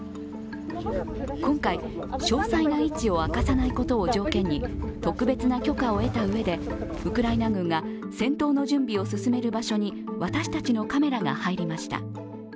今回、詳細な一を明かさないことを条件に特別な許可を得たうえで、ウクライナ軍が戦闘の準備を進める場所に私たちのカメラが入りました。